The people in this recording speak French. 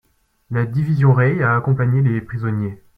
La division Rey a accompagné les prisonniers.